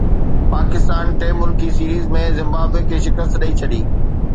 پاڪستان ٽي ملڪي series ۾ Zimbabwe کي شڪست ڏئي ڇڏي